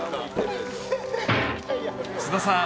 ［菅田さん。